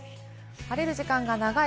晴れる時間が長い